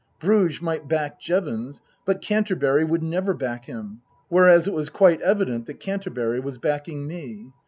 Bruges might back Jevons, but Canterbury would never back him ; whereas it was quite evident that Canterbury was backing me.